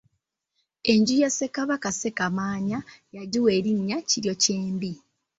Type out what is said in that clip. Enju ya Ssekabaka Ssekamaanya yagiwa elinnya Kiryokyembi.